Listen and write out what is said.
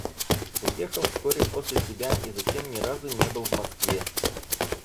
Уехал вскоре после тебя и затем ни разу не был в Москве.